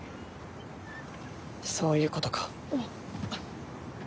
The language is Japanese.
そういうことか。